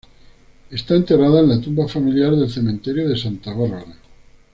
Está enterrada en la tumba familiar del cementerio de Santa Bárbara.